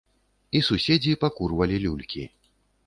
І суседзі пакурвалі люлькі.